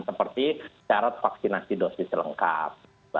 seperti syarat vaksinasi dosis lengkap